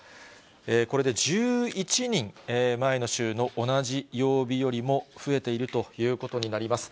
これで１１人、前の週の同じ曜日よりも増えているということになります。